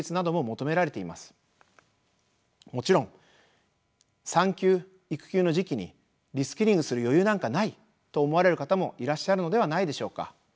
もちろん産休・育休の時期にリスキリングする余裕なんかないと思われる方もいらっしゃるのではないでしょうか。